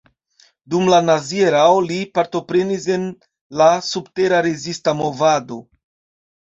Dum la nazia erao li partoprenis en la subtera rezista movado.